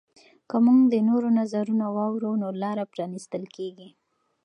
که موږ د نورو نظرونه واورو نو لاره پرانیستل کیږي.